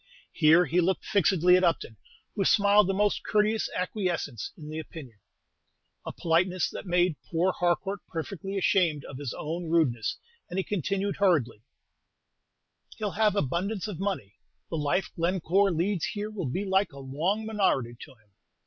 Here he looked fixedly at Upton, who smiled a most courteous acquiescence in the opinion, a politeness that made poor Harcourt perfectly ashamed of his own rudeness, and he continued hurriedly, "He'll have abundance of money. The life Glencore leads here will be like a long minority to him.